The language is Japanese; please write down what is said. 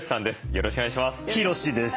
よろしくお願いします。